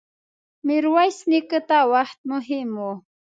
ميرويس نيکه ته وخت مهم و.